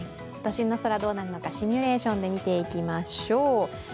都心の空はどうなるのかシミュレーションで見ていきましょう。